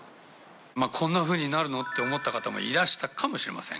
こんなふうになるの？って思った方もいらしたかもしれません。